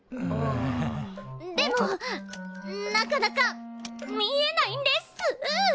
でもなかなか見えないんです！